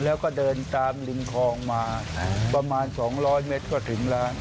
แล้วก็เดินตามริมคลองมาประมาณ๒๐๐เมตรก็ถึงร้าน